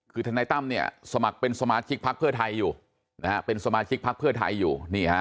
คือทนายตั้มเนี่ยสมัครเป็นสมาชิกพักเพื่อไทยอยู่เป็นสมาชิกพักเพื่อไทยอยู่